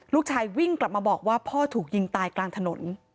ลูกชายวิ่งกลับมาบอกว่าพ่อถูกยิงตายกลางถนน